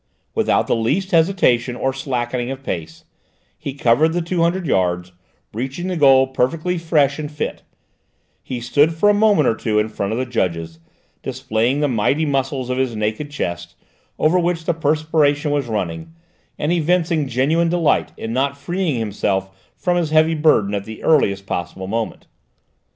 Without the least hesitation or slackening of pace, he covered the two hundred yards, reaching the goal perfectly fresh and fit; he stood for a moment or two in front of the judges, displaying the mighty muscles of his naked chest, over which the perspiration was running, and evincing genuine delight in not freeing himself from his heavy burden at the earliest possible moment.